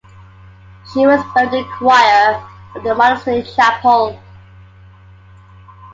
She was buried in the choir of the monastery chapel.